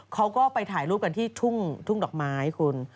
เขาก็ไปถ่ายรูปกันที่ทุ่งดอกไม้คุณ